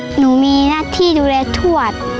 หนูมีหน้าที่ดูแลทวด